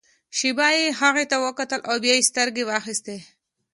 شېبه يې هغې ته وکتل او بيا يې سترګې واخيستې.